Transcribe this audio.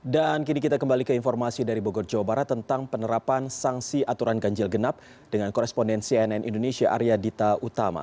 dan kini kita kembali ke informasi dari bogor jawa barat tentang penerapan sanksi aturan ganjil genap dengan korespondensi nn indonesia arya dita utama